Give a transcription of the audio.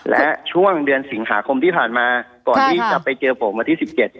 และช่วงเดือนสิงหาคมที่ผ่านมาก่อนที่จะไปเจอผมวันที่๑๗